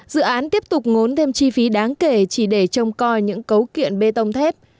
dự án tiếp tục ngốn thêm chi phí đáng kể chỉ để trông coi những cấu kiện bê tông thép